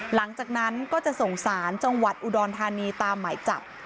หลังจากนั้นก็จะส่งสารจังหวัดอุดรธานีตามหมายจับ